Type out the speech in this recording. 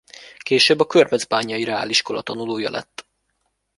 Később a körmöcbányai reáliskola tanulója lett.